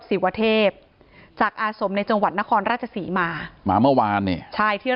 ศิวเทพจากอาสมในจังหวัดนครราชศรีมามาเมื่อวานเนี่ยใช่เที่ยว